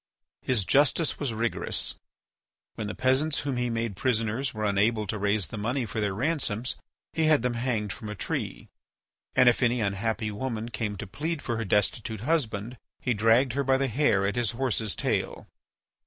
His justice was rigorous. When the peasants whom he made prisoners were unable to raise the money for their ransoms he had them hanged from a tree, and if any unhappy woman came to plead for her destitute husband he dragged her by the hair at his horse's tail.